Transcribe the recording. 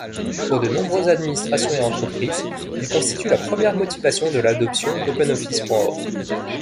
Pour de nombreuses administrations et entreprises, il constitue la première motivation de l’adoption d’OpenOffice.org.